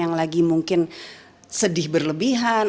yang lagi mungkin sedih berlebihan